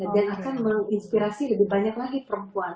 dan akan menginspirasi lebih banyak lagi perempuan